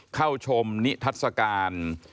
เข้าชมนิทัศกาล